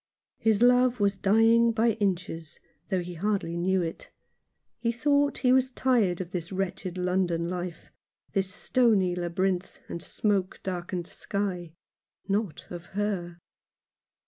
His love was dying by inches, though he hardly knew it. He thought he was tired of this wretched London life — this stony labyrinth, and smoke darkened sky — not of her.